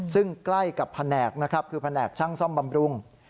ซึ่งใกล้กับแผนกนะครับคือแผนกช่างซ่อมบำรุง